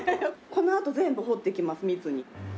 このあと全部彫っていきます密に。